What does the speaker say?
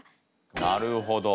なるほど。